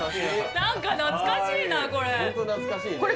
何か懐かしいなこれホント懐かしいね